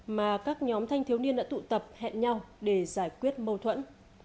mà các nhóm thanh thiếu niên đã tụ tập hẹn nhau để giải quyết mâu thuẫn